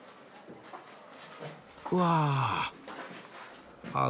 うわあ。